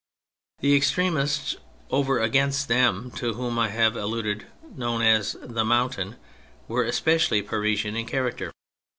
The extremists over against them, to whom I have alluded (known as " the Mountain "), were especially Parisian in character.